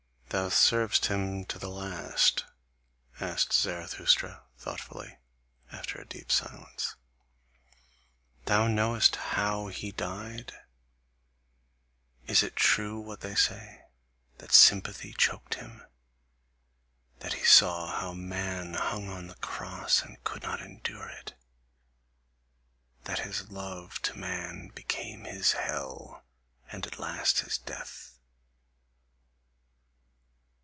"Thou servedst him to the last?" asked Zarathustra thoughtfully, after a deep silence, "thou knowest HOW he died? Is it true what they say, that sympathy choked him; That he saw how MAN hung on the cross, and could not endure it; that his love to man became his hell, and at last his death?"